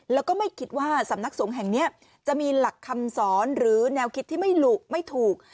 แล้วก็ไม่คิดว่าสำนักสงฆ์แห่งนี้จะมีหลักคำสอนหรือแนวคิดที่ไม่หลุไม่ถูก